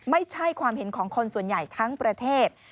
ไม่ใช่ความเห็นของคนส่วนใหญ่ทั้งประเทศ